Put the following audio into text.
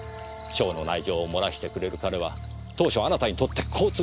省の内情をもらしてくれる彼は当初あなたにとって好都合でした。